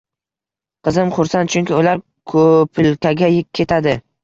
Qizim xursand, chunki ular kopilkaga ketadi.